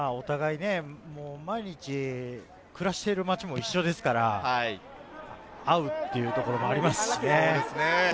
お互い毎日暮らしている街も一緒ですから、会うということもありますしね。